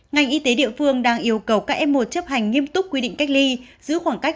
ngành y tế địa phương đang yêu cầu các f một chấp hành nghiêm túc quy định cách ly giữ khoảng cách